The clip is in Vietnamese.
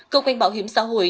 cơ quan bảo hiểm xã hội